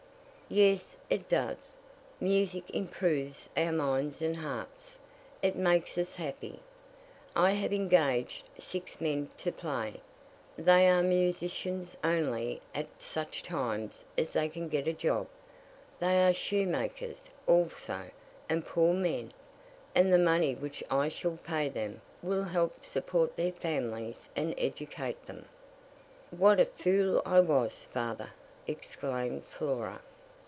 "Yes, it does; music improves our minds and hearts. It makes us happy. I have engaged six men to play. They are musicians only at such times as they can get a job. They are shoemakers, also, and poor men; and the money which I shall pay them will help support their families and educate them." "What a fool I was, father!" exclaimed Flora.